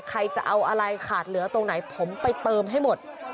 ใครจะเอาอะไรขาดเหลือตรงไหนผมไปเติมให้หมด